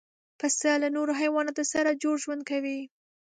پسه له نورو حیواناتو سره جوړ ژوند کوي.